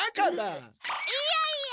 いやいや！